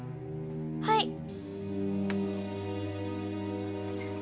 はい。